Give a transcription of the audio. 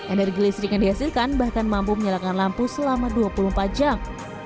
energi listrik yang dihasilkan bahkan mampu menyalakan lampu selama dua puluh empat jam